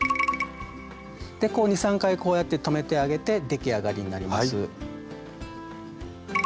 で２３回こうやって留めてあげて出来上がりになります。